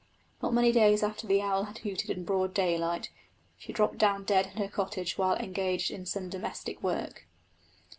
Not many days after the owl had hooted in broad daylight, she dropped down dead in her cottage while engaged in some domestic work.